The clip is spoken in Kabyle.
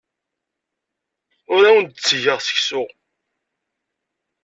Ur awen-d-ttgeɣ seksu.